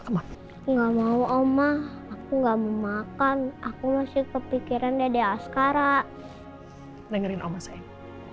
enggak mau om ah aku nggak mau makan aku masih kepikiran dede askara dengerin omah sayang